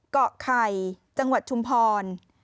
เกาะไข่จังหวัดชุมพร